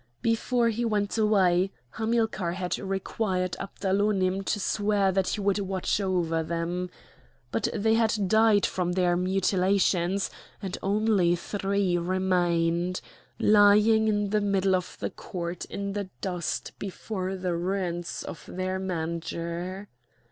Before he went away Hamilcar had required Abdalonim to swear that he would watch over them. But they had died from their mutilations; and only three remained, lying in the middle of the court in the dust before the ruins of their manger.